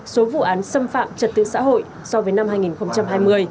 số vụ án xâm phạm trật tự xã hội so với năm hai nghìn hai mươi